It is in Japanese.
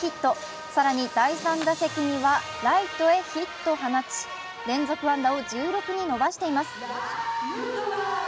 第１打席にレフト前ヒット、更に第３打席にはライトにヒットを放ち連続安打を１６に伸ばしています。